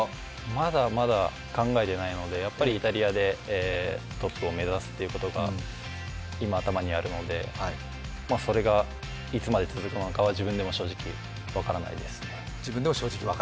まだまだ考えてないので、やっぱりイタリアでトップを目指すということが今、頭にあるので、それがいつまで続くのかは自分でも正直分からないですね。